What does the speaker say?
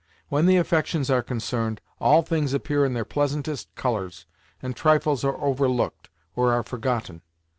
When the affections are concerned, all things appear in their pleasantest colors, and trifles are overlooked, or are forgotten.